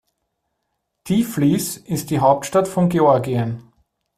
Tiflis ist die Hauptstadt von Georgien.